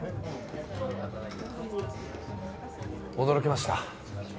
驚きました。